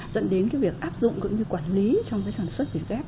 dẫn đến cái việc áp dụng cũng như quản lý trong cái sản xuất việt gáp